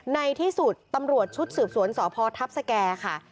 ในที่สุดตำรวจชุดสืบสวนสพทัพสแก่ค่ะ